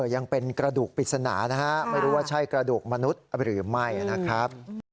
ยังเป็นกระดูกปริศนานะฮะไม่รู้ว่าใช่กระดูกมนุษย์หรือไม่นะครับ